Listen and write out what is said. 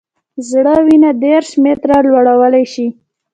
زړه وینه دېرش متره لوړولی شي.